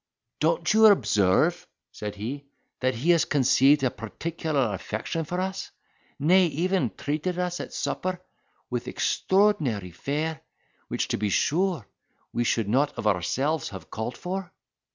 "Don't you observe," said he, "that he has conceived a particular affection for us—nay, even treated us at supper with extraordinary fare, which, to be sure, we should not of ourselves have called for?"